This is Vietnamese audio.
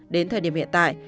đến thời điểm hiện tại